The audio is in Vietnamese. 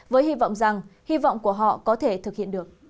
với hy vọng rằng hy vọng của họ có thể thực hiện được